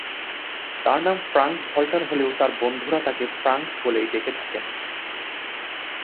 তাঁর নাম ফ্রাঙ্ক-ভাল্টার হলেও তাঁর বন্ধুরা তাঁকে ফ্রাঙ্ক বলেই ডেকে থাকেন।